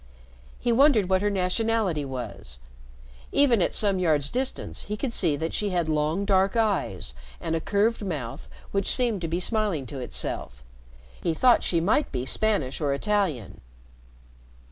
He wondered what her nationality was. Even at some yards' distance he could see that she had long dark eyes and a curved mouth which seemed to be smiling to itself. He thought she might be Spanish or Italian.